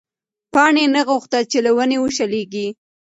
پاڼې نه غوښتل چې له ونې وشلېږي.